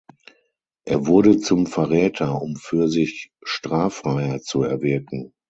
Er wurde zum Verräter, um für sich Straffreiheit zu erwirken.